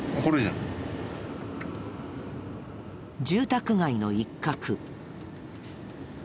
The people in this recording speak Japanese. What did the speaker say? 住宅街の一角。